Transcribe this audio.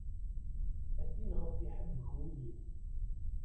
A tin ɣef iḥebbek wul-iw.